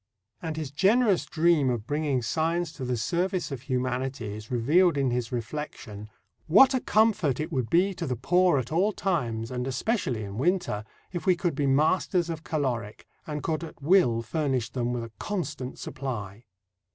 And his generous dream of bringing science to the service of humanity is revealed in his reflection: What a comfort it would be to the poor at all times, and especially in winter, if we could be masters of caloric, and could at will furnish them with a constant supply!